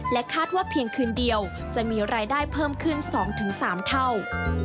คาดว่าเพียงคืนเดียวจะมีรายได้เพิ่มขึ้น๒๓เท่า